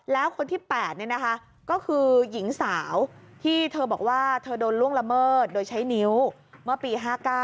แล้วคนที่๘ก็คือหญิงสาวที่เธอบอกว่าเธอโดนล่วงละเมิดโดยใช้นิ้วเมื่อปี๕๙